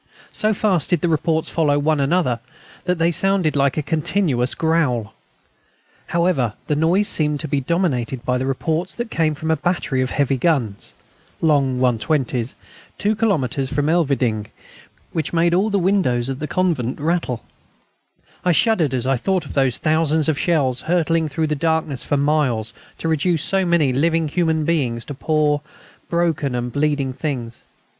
So fast did the reports follow one another that they sounded like a continuous growl. However, the noise seemed to be dominated by the reports that came from a battery of heavy guns ("long 120's") two kilometres from Elverdinghe, which made all the windows of the convent rattle, I shuddered as I thought of those thousands of shells, hurtling through the darkness for miles to reduce so many living human beings to poor broken and bleeding things.